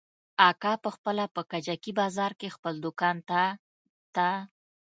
اکا پخپله په کجکي بازار کښې خپل دوکان ته ته.